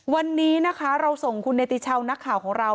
วันนี้นะคะเราส่งคุณเนติชาวนักข่าวของเรา